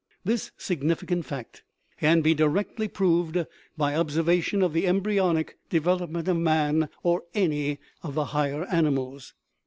This significant fact can be directly proved by observation of the embryonic de velopment of man or any of the higher animals.